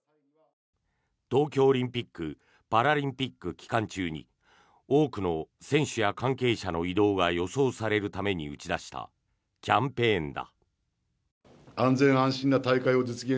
東京オリンピック・パラリンピック期間中に多くの選手や関係者の移動が予想されるために打ち出したキャンペーンだ。